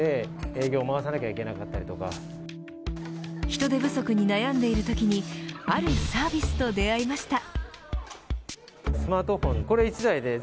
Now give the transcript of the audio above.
人手不足に悩んでいるときにあるサービスと出会いました。